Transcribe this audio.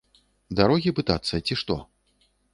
Дарогі пытацца ці што?